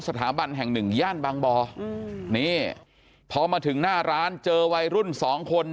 สถาบันแห่งหนึ่งย่านบางบ่อนี่พอมาถึงหน้าร้านเจอวัยรุ่นสองคน